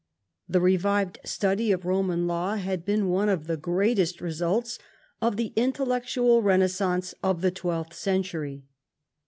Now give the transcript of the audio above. The revived study of Roman law had been one of the greatest results of the intellectual renaissance of the twelfth century.